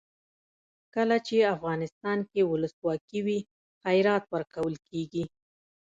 کله چې افغانستان کې ولسواکي وي خیرات ورکول کیږي.